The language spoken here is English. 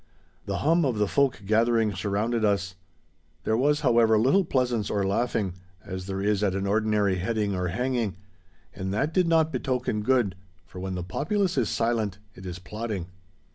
The hum of the folk gathering surrounded us. There was, however, little pleasance or laughing, as there is at an ordinary heading or hanging; and that did not betoken good, for when the populace is silent, it is plotting.